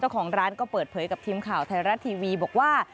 เจ้าของร้านก็เปิดเผยกับทีมข่าวไทยรัฐทีวีบอกว่า